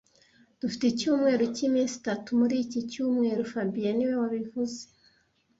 Dufite icyumweru cyiminsi itatu muri iki cyumweru fabien niwe wabivuze